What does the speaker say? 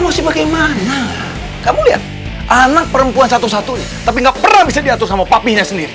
masih bagaimana kamu lihat anak perempuan satu satunya tapi gak pernah bisa diatur sama papinya sendiri